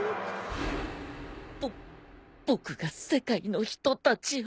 ぼ僕が世界の人たちを。